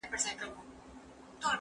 بيزو وان ويل بيزو ته په خندا سه